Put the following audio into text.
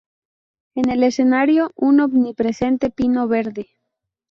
En el escenario, un omnipresente pino verde.